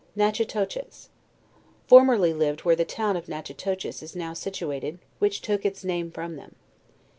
NATCHITOCHES. Formerly lived where the town of Nat chitoches is now situated which took its name from them.